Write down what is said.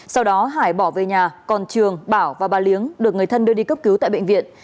sau đó hải bỏ về nhà còn trường bảo và bà liếng được người thân đưa đi cấp cứu tại bệnh viện